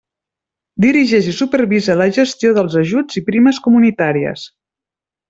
Dirigeix i supervisa la gestió dels ajuts i primes comunitàries.